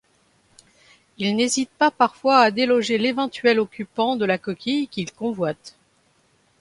Il n'hésite pas parfois à déloger l'éventuel occupant de la coquille qu'il convoite.